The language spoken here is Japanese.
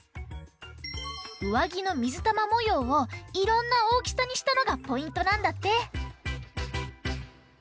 うわぎのみずたまもようをいろんなおおきさにしたのがポイントなんだって！